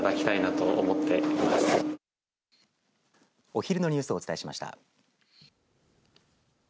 お昼のニュースをお伝えしました。